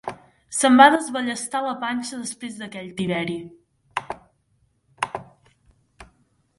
Se'm va desballestar la panxa després d'aquell tiberi.